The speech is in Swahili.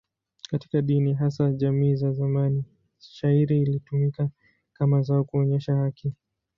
Katika dini, hasa jamii za zamani, shayiri ilitumika kama zao kuonyesha haki.